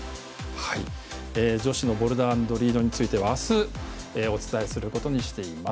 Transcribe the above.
女子のボルダー＆リードについては明日お伝えすることにしています。